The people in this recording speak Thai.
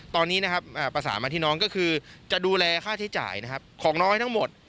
ตอนนี้นะครับประสานมาที่น้องก็คือจะดูแลค่าใช้จ่ายนะครับของน้อยทั้งหมด